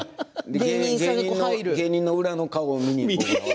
芸人の裏の顔を見に。